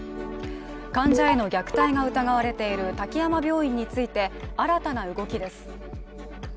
患者への虐待が疑われている滝山病院について新たな動きです。